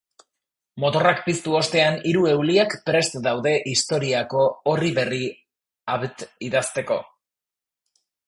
Motorrak piztu ostean, hiru euliak prest daude historiako orri berri abt idazteko.